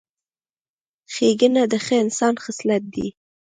ښېګڼه د ښه انسان خصلت دی.